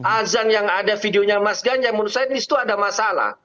azan yang ada videonya mas ganjarnya menurut saya di situ ada masalah